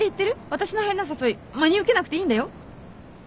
私の変な誘い真に受けなくていいんだよ？